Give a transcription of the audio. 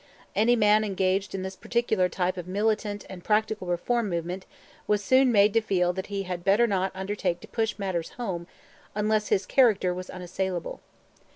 Any man engaged in this particular type of militant and practical reform movement was soon made to feel that he had better not undertake to push matters home unless his own character was unassailable.